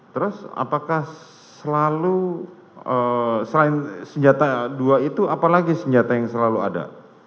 terus apakah selalu selain senjata dua itu apalagi senjata yang selalu ada